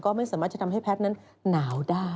ก็ไม่สามารถจะทำให้แพทย์นั้นหนาวได้